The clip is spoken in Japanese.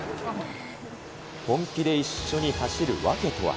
本気で一緒に走る訳とは。